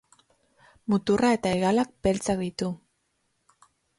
Muturra eta hegalak beltzak ditu.